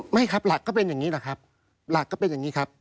ไม่ครับหลักก็เป็นอย่างนี้แหละครับหลักก็เป็นอย่างนี้ครับ